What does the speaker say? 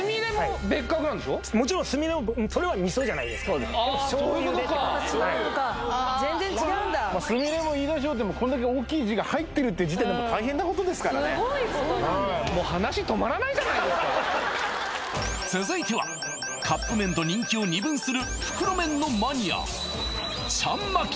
そういうことかそうか全然違うんだすみれも飯田商店もこんだけ大きい字が入ってるって時点で大変なことですからねはい続いてはカップ麺と人気を二分する袋麺のマニア